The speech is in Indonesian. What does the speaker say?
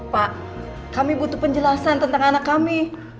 pak kami butuh penjelasan tentang anak kami